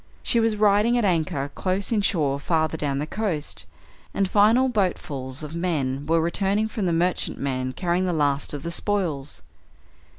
She was riding at anchor close inshore farther down the coast, and final boatfuls of men were returning from the merchantman carrying the last of the spoils.